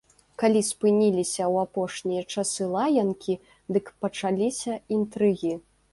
Калі спыніліся ў апошнія часы лаянкі, дык пачаліся інтрыгі.